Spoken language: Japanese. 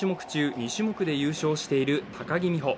２種目で優勝している高木美帆。